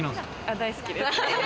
大好きです。